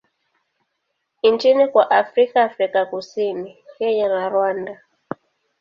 nchini kwa Afrika Afrika Kusini, Kenya na Rwanda.